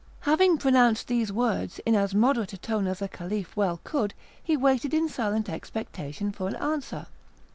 Having pronounced these words in as moderate a tone as a caliph well could, he waited in silent expectation for an answer.